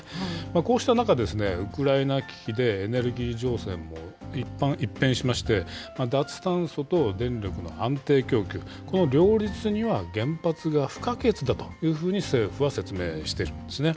こうした中、ウクライナ危機で、エネルギー情勢も一変しまして、脱炭素と電力の安定供給、この両立には原発が不可欠だというふうに、政府は説明しているんですね。